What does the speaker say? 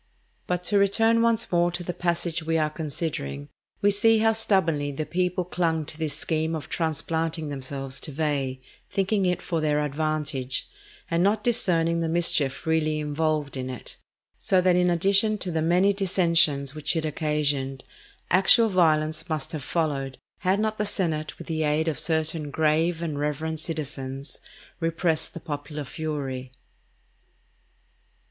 But to return once more to the passage we are considering, we see how stubbornly the people clung to this scheme of transplanting themselves to Veii, thinking it for their advantage, and not discerning the mischief really involved in it; so that in addition to the many dissensions which it occasioned, actual violence must have followed, had not the senate with the aid of certain grave and reverend citizens repressed the popular fury.